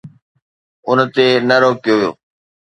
ان تي نه روڪيو.